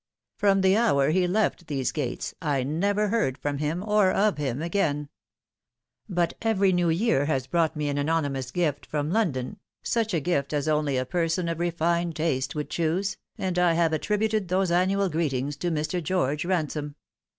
From the hour he left these gates I never heard from him or of him again ; but every new year has brought me an anonymous gift from London, such a gift as only a person of refined taste would choose, and I have attributed those annual greetings to Mr. George Ransome."